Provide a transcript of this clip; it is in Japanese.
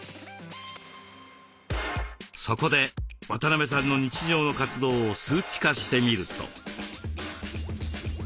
そこで渡邊さんの日常の活動を数値化してみると。